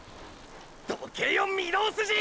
どけよ御堂筋ィ！！